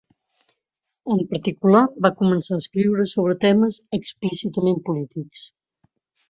En particular, va començar a escriure sobre temes explícitament polítics.